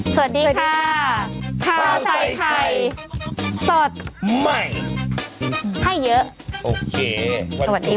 สวัสดีค่ะข้าวใส่ไข่สดใหม่ให้เยอะโอเคสวัสดีค่ะ